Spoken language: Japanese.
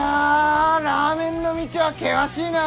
ラーメンの道は険しいな！